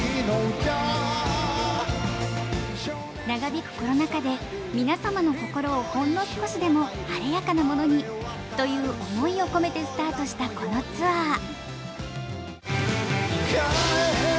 長引くコロナ禍で、皆様の心をほんの少しでも晴れやかなものに、という思いを込めてスタートしたこのツアー。